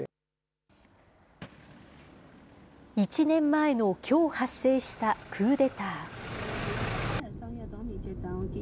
１年前のきょう発生したクーデター。